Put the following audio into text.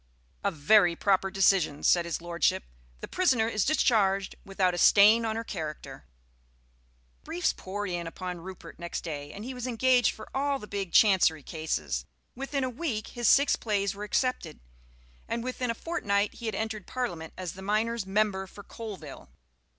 "A very proper decision," said his lordship. "The prisoner is discharged without a stain on her character." Briefs poured in upon Rupert next day, and he was engaged for all the big Chancery cases. Within a week his six plays were accepted, and within a fortnight he had entered Parliament as the miners' Member for Coalville.